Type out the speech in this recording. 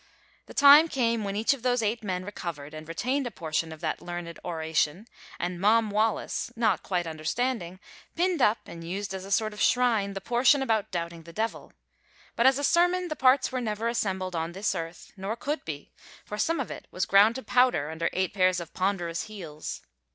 The time came when each of those eight men recovered and retained a portion of that learned oration, and Mom Wallis, not quite understanding, pinned up and used as a sort of shrine the portion about doubting the devil; but as a sermon the parts were never assembled on this earth, nor could be, for some of it was ground to powder under eight pairs of ponderous heels.